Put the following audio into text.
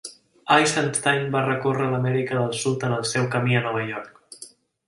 Eisenstein va recórrer l'Amèrica del Sud, en el seu camí a Nova York.